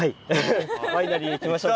ワイナリーに行きましょうか。